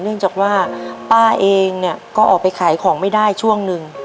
เนื่องจากว่าป้าเองเนี่ยก็ออกไปขายของไม่ได้ช่วงหนึ่ง